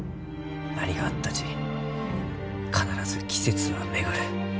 何があったち必ず季節は巡る。